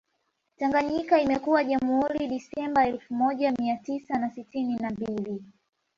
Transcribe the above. Tanganyika imekuwa Jamhuri Disemba elfu moja Mia tisa na sitini na mbili